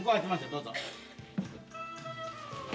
どうぞ。